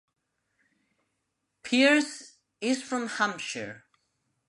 Pearce is from Hampshire.